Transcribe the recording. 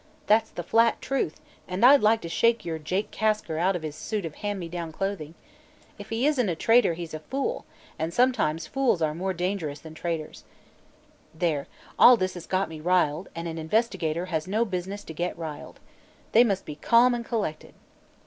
That's the flat truth, and I'd like to shake your Jake Kasker out of his suit of hand me down clothing. If he isn't a traitor, he's a fool, and sometimes fools are more dangerous than traitors. There! All this has got me riled, and an investigator has no business to get riled. They must be calm and collected."